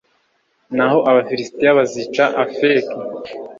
naho abafilisiti bazica afeki